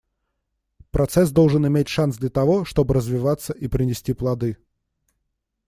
Процесс должен иметь шанс для того, чтобы развиваться и принести плоды.